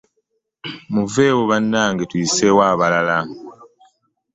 Muveeyo bannange tuyiseewo abalala.